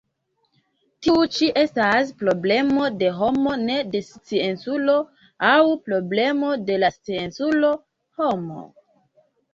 Tiu ĉi estas problemo de homo, ne de scienculo, aŭ problemo de la scienculo-homo.